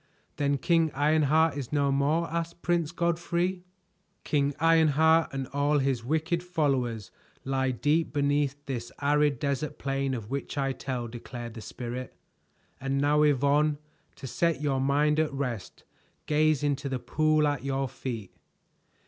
"Then King Ironheart is no more?" asked Prince Godfrey. "King Ironheart and all his wicked followers lie deep beneath this arid desert plain of which I tell," declared the Spirit. "And now, Yvonne, to set your mind at rest gaze into the pool at your feet."